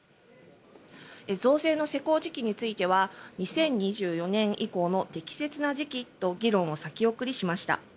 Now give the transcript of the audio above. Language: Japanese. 増税の施行時期については２０２４年以降の適切な時期と議論を先送りしました。